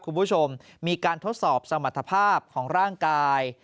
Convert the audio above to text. คุณผู้ชมมีการทดสอบสมรรถภาพของร่างกาย